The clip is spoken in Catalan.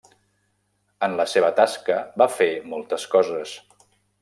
En la seva tasca va fer moltes coses.